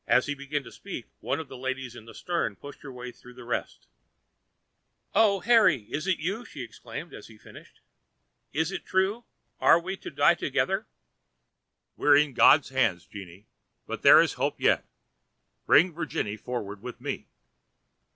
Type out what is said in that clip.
As he began to speak one of the ladies in the stern pushed her way through the rest. "Oh, Harry, is it you!" she exclaimed as he finished. "Is it true, are we to die together?" "We are in God's hands, Jeanne, but there is hope yet. Bring Virginie forward with me."